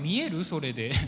それで。